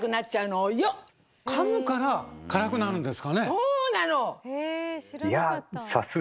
そうなの！